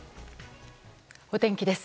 お天気です。